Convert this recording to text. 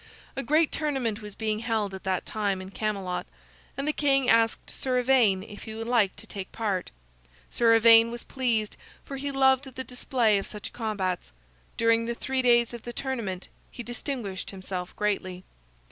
A great tournament was being held at that time in Camelot, and the king asked Sir Ivaine if he would like to take part. Sir Ivaine was pleased, for he loved the display of such combats. During the three days of the tournament he distinguished himself greatly.